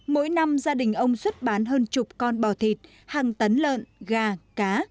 mỗi năm gia đình ông xuất bán hơn chục con bò thịt hàng tấn lợn gà cá